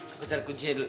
aku cari kuncinya dulu